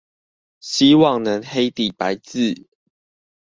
希望能黑底白字